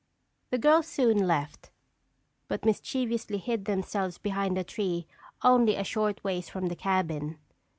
The girls soon left, but mischievously hid themselves behind a tree only a short ways from the cabin.